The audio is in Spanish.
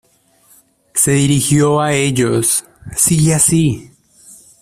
Se dirigió a ellos: "Sigue así.